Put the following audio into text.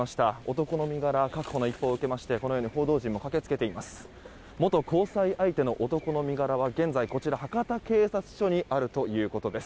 男の身柄確保の一報を受けましてこのように報道陣も駆けつけています。